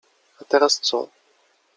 A teraz co?